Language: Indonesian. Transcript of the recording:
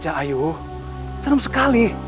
ayo seram sekali